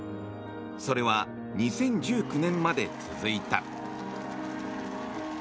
それは２０１９年まで続いた。